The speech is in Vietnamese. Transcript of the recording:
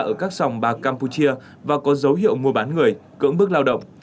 ở các sòng bạc campuchia và có dấu hiệu mua bán người cưỡng bức lao động